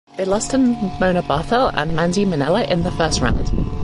They lost to Mona Barthel and Mandy Minella in the first round.